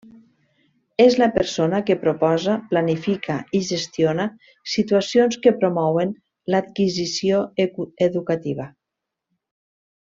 És la persona que proposa, planifica i gestiona situacions que promouen l'adquisició educativa.